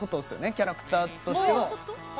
キャラクターとしての。